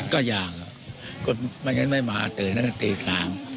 ก็ย้าเหรอก็ไม่ไหวไม่มาเดินตรีสาม